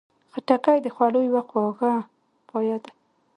خټکی د خوړو یوه خواږه پایه ده.